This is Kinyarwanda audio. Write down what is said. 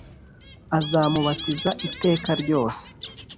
azamubatiza iteka ryose